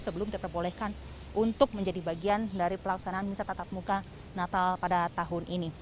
sebelum diperbolehkan untuk menjadi bagian dari pelaksanaan misa tatap muka natal pada tahun ini